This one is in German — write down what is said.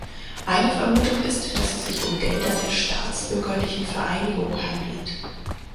Eine Vermutung ist, dass es sich um Gelder der „Staatsbürgerlichen Vereinigung“ handelt.